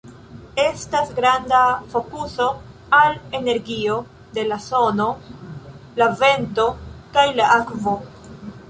Estas granda fokuso al energio de la sono, la vento, kaj la akvo.